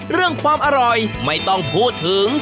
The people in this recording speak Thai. เรื่องความอร่อยไม่ต้องพูดถึง